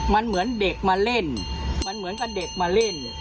มันเหมือนเด็กมาเล่นมันเหมือนกับเด็กมาเล่น